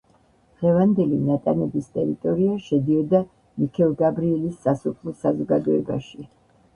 დღევანდელი ნატანების ტერიტორია შედიოდა მიქელგაბრიელის სასოფლო საზოგადოებაში.